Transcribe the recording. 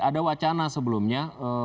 ada wacana sebelumnya